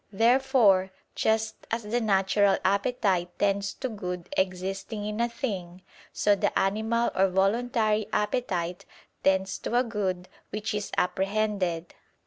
Therefore, just as the natural appetite tends to good existing in a thing; so the animal or voluntary appetite tends to a good which is apprehended.